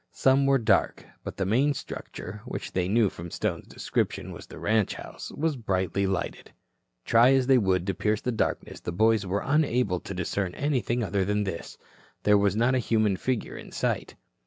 Some were dark. But the main structure, which they knew from Stone's description was the ranch house, was brightly lighted. Try as they would to pierce the darkness, the boys were unable to discern anything other than this. There was not a human figure in sight.